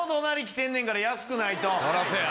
そらそうや。